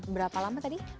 berapa lama tadi